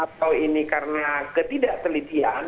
atau ini karena ketidak telitian